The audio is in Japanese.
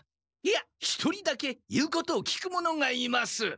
いや一人だけ言うことを聞く者がいます。